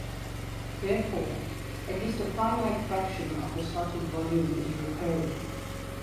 Therefore, at least a finite fraction of the starting volume is recurring.